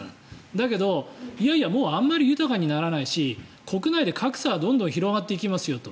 だけど、いやいやもうあまり豊かにならないし国内で格差がどんどん広がっていきますよと。